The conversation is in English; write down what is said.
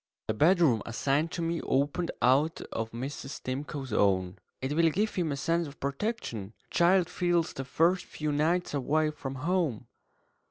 The bedroom assigned to me opened out of Mrs. Stimcoe's own. ("It will give him a sense of protection. A child feels the first few nights away from home.")